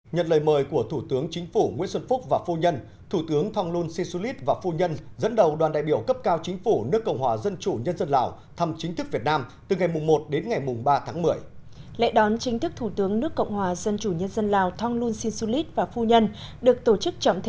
nhận lời mời của thủ tướng chính phủ nguyễn xuân phúc và phu nhân thủ tướng thonglun sisulit và phu nhân dẫn đầu đoàn đại biểu cấp cao chính phủ nước cộng hòa dân chủ nhân dân lào thăm chính thức việt nam từ ngày một đến ngày ba tháng một mươi